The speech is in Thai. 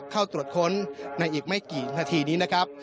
เข้าตรวจค้นในอีกไม่กี่นาทีนี้นะครับ